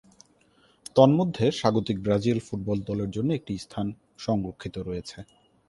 তন্মধ্যে, স্বাগতিক Brazil football দলের জন্য একটি স্থান সংরক্ষিত রয়েছে।